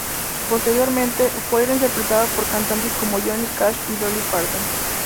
Posteriormente, fue reinterpretada por cantantes como Johnny Cash y Dolly Parton.